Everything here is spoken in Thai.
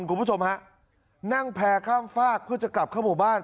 คุณผู้ชมฮะนั่งแพร่ข้ามฝากเพื่อจะกลับเข้าหมู่บ้าน